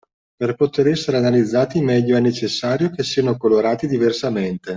Per poter essere analizzati meglio è necessario che siano colorati diversamente.